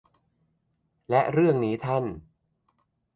และเรื่องนี้ท่าน